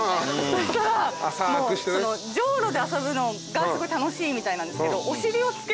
そしたらじょうろで遊ぶのがすごい楽しいみたいなんですけど。